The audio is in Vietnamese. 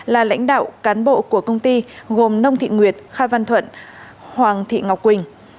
là lãnh đạo cán bộ của công ty gồm nông thị nguyệt kha văn thuận hoàng thị ngọc quỳnh